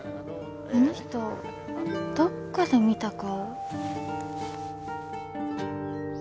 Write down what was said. あの人どっかで見た顔。